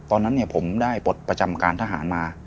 ตอนนั้นเนี่ยผมได้ปลดประจำการทหารมา